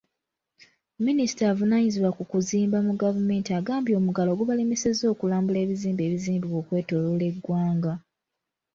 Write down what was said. Minisita avunaanyizibwa ku kuzimba mu gavumenti agambye omuggalo gubalemesezza okulambula ebizimbe ebizimbibwa okwetooloola eggwanga.